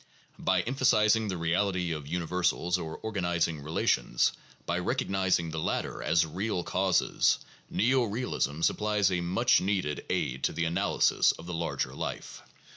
By emphasizing the reality of universals or "organizing relations," by recognizing the latter as real causes, neo realism supplies a much needed aid to the analysis of the larger life.